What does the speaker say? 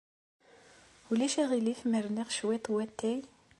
Ulac aɣilif ma rniɣ cwiṭ n watay?